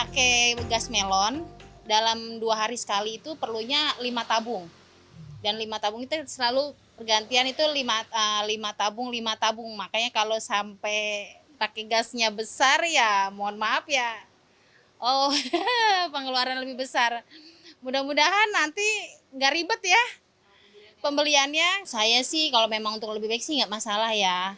kalau memang untuk lebih baik sih enggak masalah ya